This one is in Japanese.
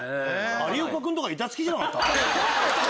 有岡君とか板付きじゃなかった？